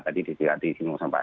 tadi di sini ada di bung sampa rinjen